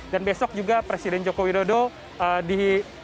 dan besok juga presiden joko widodo di